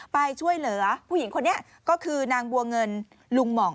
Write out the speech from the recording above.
ไปช่วยเหลือผู้หญิงคนนี้ก็คือนางบัวเงินลุงหม่อง